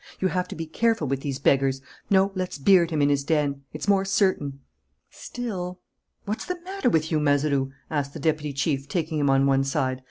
"You have to be careful with these beggars. No, let's beard him in his den. It's more certain." "Still " "What's the matter with you, Mazeroux?" asked the deputy chief, taking him on one side.